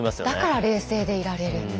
だから冷静でいられる。